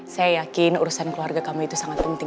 saya yakin urusan keluarga kamu itu sangat penting